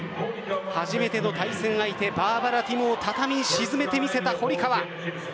初めての対戦相手バーバラ・ティモを畳に沈めてみせた堀川。